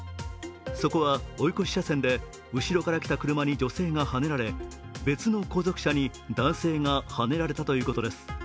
そこは追い越し車線で後ろから来た車に女性がはねられ別の後続車に男性がはねられたということです。